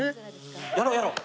やろうやろう！